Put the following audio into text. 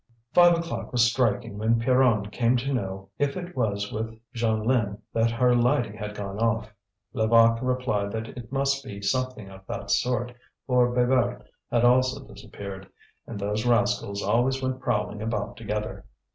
Five o'clock was striking when Pierronne came to know if it was with Jeanlin that her Lydie had gone off. Levaque replied that it must be something of that sort, for Bébert had also disappeared, and those rascals always went prowling about together.